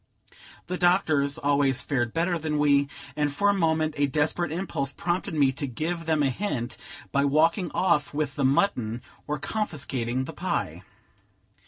The doctors always fared better than we; and for a moment a desperate impulse prompted me to give them a hint, by walking off with the mutton, or confiscating the pie.